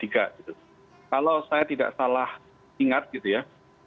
kalau saya tidak salah ingat gitu ya